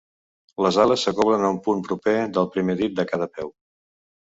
Les ales s'acoblen a un punt proper del primer dit de cada peu.